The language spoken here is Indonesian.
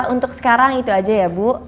untuk sekarang itu aja ya bu